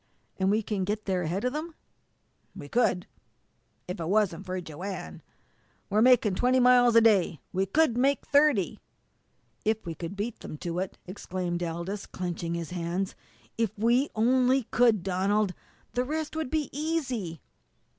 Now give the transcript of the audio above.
"And we can get there ahead of them?" "We could if it wasn't for Joanne. We're makin' twenty miles a day. We could make thirty." "If we could beat them to it!" exclaimed Aldous, clenching his hands. "If we only could, Donald the rest would be easy!"